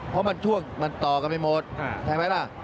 เพราะมันช่วงมันต่อกันไปหมดใช่ไหมล่ะ